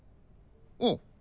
うん。